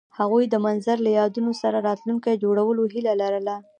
هغوی د منظر له یادونو سره راتلونکی جوړولو هیله لرله.